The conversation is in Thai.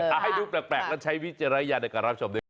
เอาให้ดูแปลกแล้วใช้วิทยาลัยในการรับชมด้วย